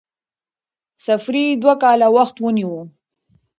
سفر یې دوه کاله وخت ونیو.